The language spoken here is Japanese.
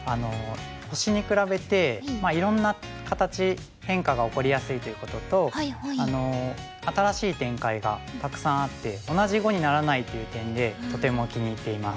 星に比べていろんな形変化が起こりやすいということと新しい展開がたくさんあって同じ碁にならないという点でとても気に入っています。